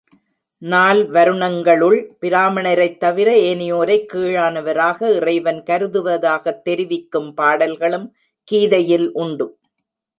நால் வருணங்களுள் பிராமணரைத் தவிர ஏனையோரைக் கீழானவராக இறைவன் கருதுவதாகத் தெரிவிக்கும் பாடல்களும் கீதையில் உண்டு.